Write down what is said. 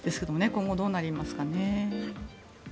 今後、どうなりますかね。